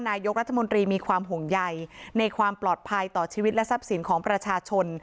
นายกรัฐมนตรีมีความห่วงใยในความปลอดภัยต่อชีวิตและทรัพย์สินของประชาชน